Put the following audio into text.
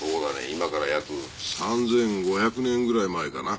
今から約３５００年ぐらい前かな。